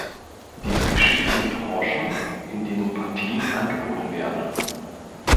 Dies geschieht in Tranchen, in denen Partien angeboten werden.